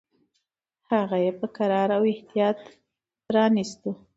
هغه یې په کراره او احتیاط پرانیستو.